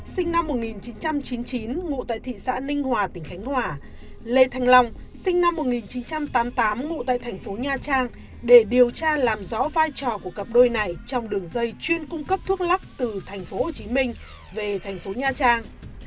sinh năm một nghìn chín trăm chín mươi chín ngụ tại thị xã ninh hòa tỉnh khánh hòa lê thanh long sinh năm một nghìn chín trăm tám mươi tám ngụ tại thành phố nha trang để điều tra làm rõ vai trò của cặp đôi này trong đường dây chuyên cung cấp thuốc lắc từ tp hcm về thành phố nha trang